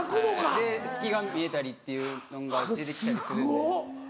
で隙が見えたりっていうのんが出て来たりするんで。